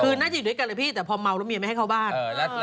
คือน่าจีดด้วยกันเลยพี่แต่พอเมาก็ไม่ให้เข้าบ้าน